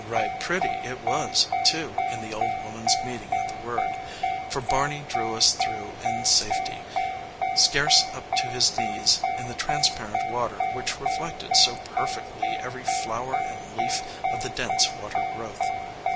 "Right pretty" it was, too, in the old woman's meaning of the word, for Barney drew us through in safety, scarce up to his knees in the transparent water which reflected so perfectly every flower and leaf of the dense water growth.